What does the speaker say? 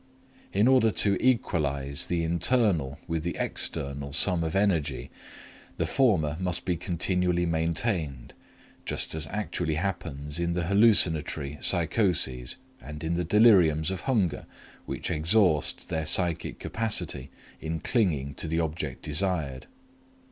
In order to equalize the internal with the external sum of energy, the former must be continually maintained, just as actually happens in the hallucinatory psychoses and in the deliriums of hunger which exhaust their psychic capacity in clinging to the object desired.